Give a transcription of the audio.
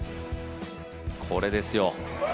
これですよ。